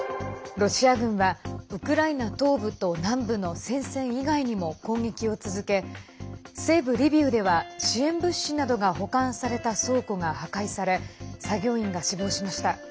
ロシア軍はウクライナ東部と南部の戦線以外にも攻撃を続け西部リビウでは支援物資などが保管された倉庫が破壊され作業員が死亡しました。